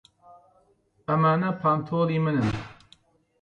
ئەمانە پانتۆڵی منن.